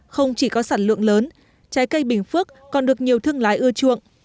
không chỉ có sản lượng lớn trái cây bình phước còn được nhiều thương lái ưa chuộng